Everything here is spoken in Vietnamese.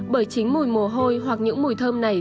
bởi chính mùi mồ hôi hoặc những mùi thơm này